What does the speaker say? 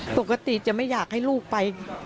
ปกติจะไม่อยากให้ลูกไป